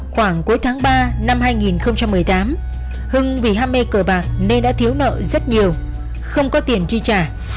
khoảng cuối tháng ba năm hai nghìn một mươi tám hưng vì ham mê cờ bạc nên đã thiếu nợ rất nhiều không có tiền chi trả